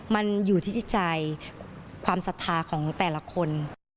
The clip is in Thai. มันอยู่ที่จิตใจความศรัทธาของแต่ละคน